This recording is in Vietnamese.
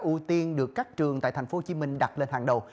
ưu tiên được các trường tại tp hcm đặt lên hàng đầu